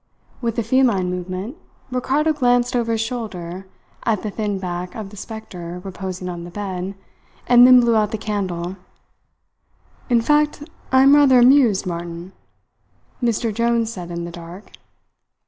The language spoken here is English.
With a feline movement, Ricardo glanced over his shoulder at the thin back of the spectre reposing on the bed, and then blew out the candle. "In fact, I am rather amused, Martin," Mr. Jones said in the dark.